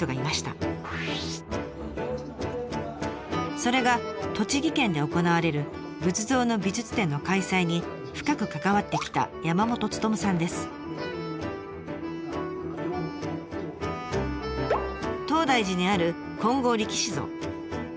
それが栃木県で行われる仏像の美術展の開催に深く関わってきた東大寺にある金剛力士像。